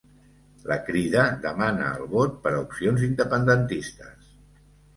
La Crida demana el vot per a opcions independentistes